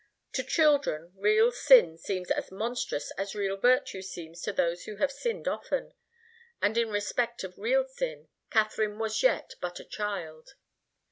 To children, real sin seems as monstrous as real virtue seems to those who have sinned often, and in respect of real sin, Katharine was yet but a child.